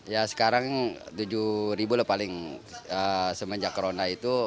ya sekarang tujuh ribu lah paling semenjak corona itu